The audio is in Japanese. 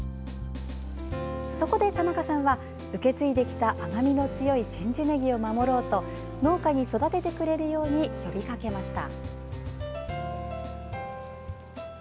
そこで田中さんは受け継いできた甘みの強い千住ねぎを守ろうと農家に育ててくれるように呼びかけました。